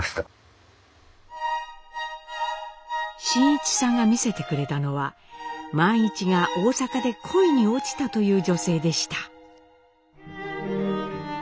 伸一さんが見せてくれたのは萬一が大阪で恋に落ちたという女性でした。